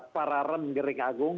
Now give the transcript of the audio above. pararem gering agung